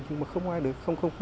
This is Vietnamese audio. nhưng mà không ai được